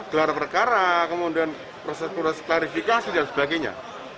gelar perkara kemudian proses proses klarifikasi dan sebagainya